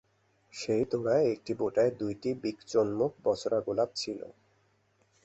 সেই তোড়ায় একটি বোঁটায় দুইটি বিকচোন্মুখ বসোরা-গোলাপ ছিল।